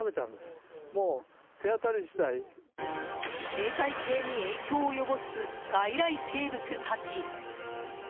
生態系に影響を及ぼす外来生物たち。